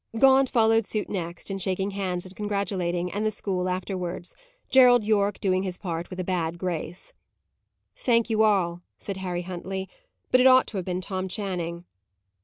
Gaunt followed suit next, in shaking hands and congratulating, and the school afterwards; Gerald Yorke doing his part with a bad grace. "Thank you all," said Harry Huntley. "But it ought to have been Tom Channing."